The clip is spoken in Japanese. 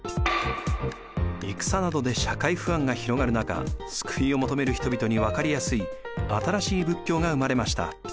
戦などで社会不安が広がる中救いを求める人々にわかりやすい新しい仏教が生まれました。